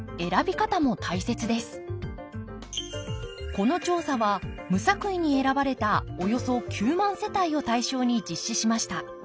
この調査は無作為に選ばれたおよそ９万世帯を対象に実施しました。